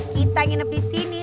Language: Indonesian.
kita nginep di sini